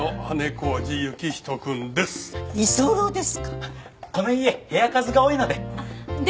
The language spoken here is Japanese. この家部屋数が多いので。